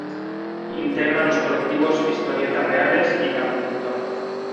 Integra los colectivos "Historietas Reales" y "La Productora".